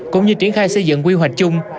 cũng như triển khai xây dựng quy hoạch chung